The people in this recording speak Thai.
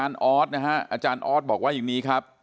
อาจารย์ออสบอกว่าอย่างนี้ครับ